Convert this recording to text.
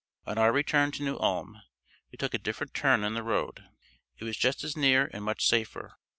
On our return to New Ulm we took a different turn in the road. It was just as near and much safer.